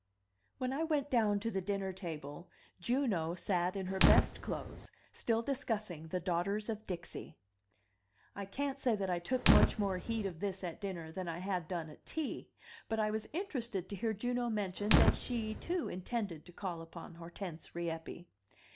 When I went down to the dinner table, Juno sat in her best clothes, still discussing the Daughters of Dixie. I can't say that I took much more heed of this at dinner than I had done at tea; but I was interested to hear Juno mention that she, too, intended to call upon Hortense Rieppe.